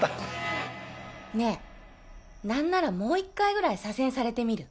ねぇ何ならもう１回ぐらい左遷されてみる？